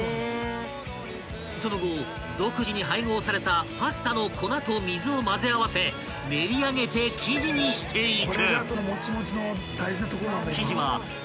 ［その後独自に配合されたパスタの粉と水を混ぜ合わせ練り上げて生地にしていく］